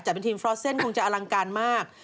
แต่เป็นทีมฟรอสเซ่นคงจะอลังการมาก